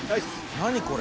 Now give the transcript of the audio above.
何これ。